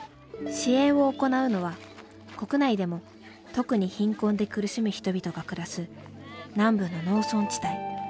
支援を行うのは国内でも特に貧困で苦しむ人々が暮らす南部の農村地帯。